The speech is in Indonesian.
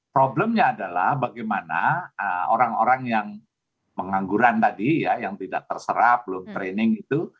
problemnya adalah bagaimana orang orang yang pengangguran tadi ya yang tidak terserap belum training itu